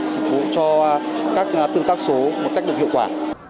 phục vụ cho các tương tác số một cách được hiệu quả